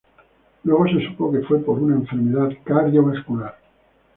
Luego se supo que fue por una enfermedad cardiovascular.